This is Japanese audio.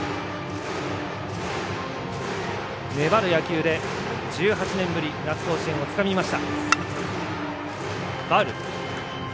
粘る野球で１８年ぶり夏の甲子園をつかみました。